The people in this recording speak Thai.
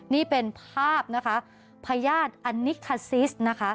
นี่เป็นภาพนะคะพญาติอันนิคาซิสนะคะ